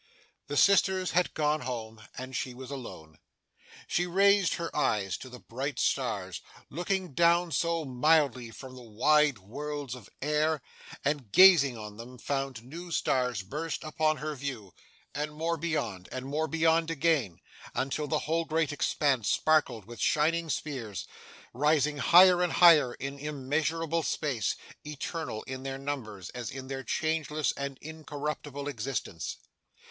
The sisters had gone home, and she was alone. She raised her eyes to the bright stars, looking down so mildly from the wide worlds of air, and, gazing on them, found new stars burst upon her view, and more beyond, and more beyond again, until the whole great expanse sparkled with shining spheres, rising higher and higher in immeasurable space, eternal in their numbers as in their changeless and incorruptible existence.